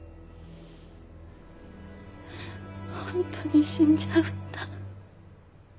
ホントに死んじゃうんだ。